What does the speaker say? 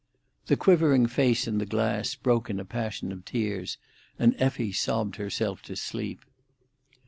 The quivering face in the glass broke in a passion of tears, and Effie sobbed herself to sleep.